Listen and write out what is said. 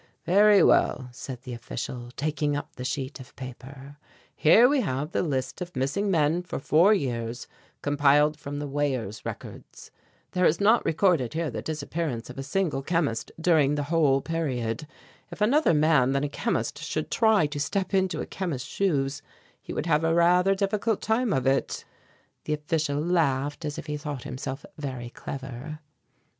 "Very well," said the official, taking up the sheet of paper, "here we have the list of missing men for four years compiled from the weighers' records. There is not recorded here the disappearance of a single chemist during the whole period. If another man than a chemist should try to step into a chemist's shoes, he would have a rather difficult time of it." The official laughed as if he thought himself very clever.